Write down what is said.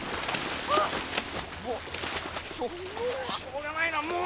しょうがないなあもう。